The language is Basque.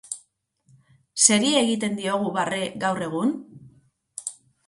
Zeri egiten diogu barre gaur egun?